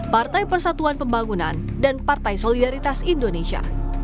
partai persatuan pembangunan dan partai solidaritas indonesia